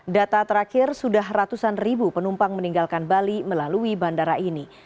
data terakhir sudah ratusan ribu penumpang meninggalkan bali melalui bandara ini